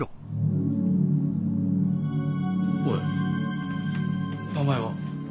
おい名前は？